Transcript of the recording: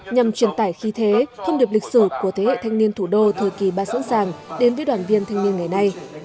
nhằm truyền tải khi thế thông điệp lịch sử của thế hệ thanh niên thủ đô thời kỳ ba sẵn sàng đến với đoàn viên thanh niên ngày nay